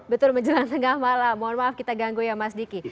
betul menjelang tengah malam mohon maaf kita ganggu ya mas diki